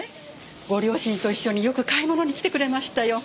ご両親と一緒によく買い物に来てくれましたよ。